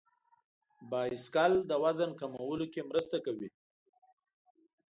بایسکل د وزن کمولو کې مرسته کوي.